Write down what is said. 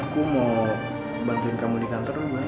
aku bantu kamu di kantor ini oke